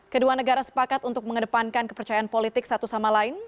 kedua negara sepakat untuk mengedepankan kepercayaan politik satu sama lain